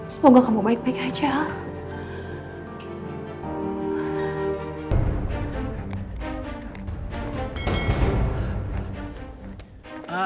semoga kamu baik baik aja